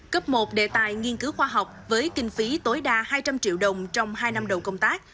cấp một đề tài nghiên cứu khoa học với kinh phí tối đa hai trăm linh triệu đồng trong hai năm đầu công tác